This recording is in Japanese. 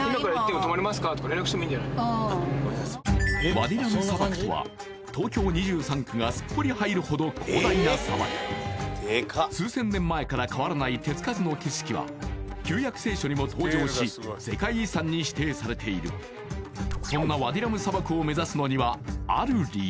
ワディ・ラム砂漠とは東京２３区がすっぽり入るほど広大な砂漠数千年前から変わらない手つかずの景色は旧約聖書にも登場し世界遺産に指定されているそんな今日さ